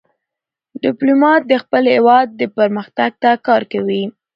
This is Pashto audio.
ډيپلومات د خپل هېواد پرمختګ ته کار کوي.